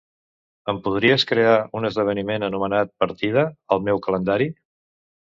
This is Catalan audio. Em podries crear un esdeveniment anomenat "Partida" al meu calendari?